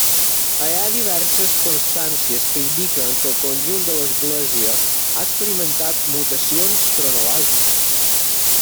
Hi ha diverses constàncies que indiquen que el conjunt de l'església ha experimentat mutacions cronològiques.